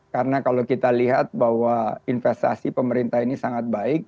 karena kalau kita lihat bahwa investasi pemerintah ini sangat baik